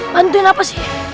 bantuin apa sih